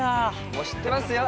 もう知ってますよ